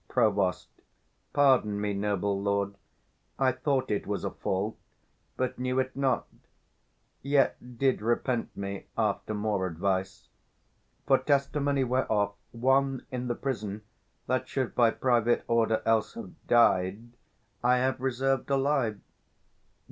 Prov. Pardon me, noble lord: 460 I thought it was a fault, but knew it not; Yet did repent me, after more advice: For testimony whereof, one in the prison, That should by private order else have died, I have reserved alive.